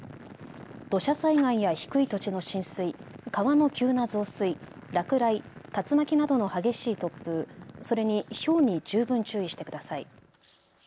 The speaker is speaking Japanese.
土砂災害や低い土地の浸水、川の急な増水、落雷、竜巻などの激しい突風、それにひょうに十分注意してください。